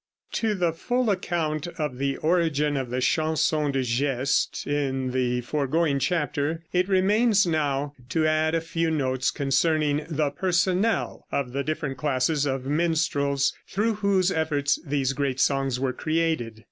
To the full account of the origin of the Chansons de Geste in the foregoing chapter, it remains now to add a few notes concerning the personnel of the different classes of minstrels through whose efforts these great songs were created.